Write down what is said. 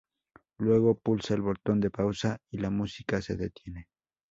Luego pulsa el botón de pausa y la música se detiene.